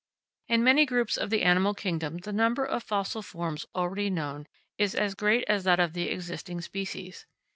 In many groups of the animal kingdom the number of fossil forms already known is as great as that of the existing species.